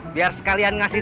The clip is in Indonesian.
biar sekalian ngasih